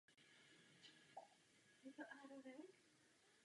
Pro mě osobně je Parlament klíčovým partnerem v této věci.